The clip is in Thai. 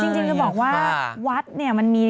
จริงจะบอกว่าวัดเนี่ยมันมี